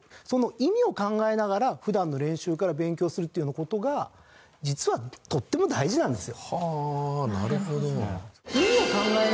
意味を考えながら普段の練習から勉強するというような事が実はとっても大事なんですよ。